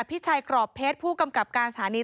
พี่ชัยกรอบเพชรผู้กำกับการสถานี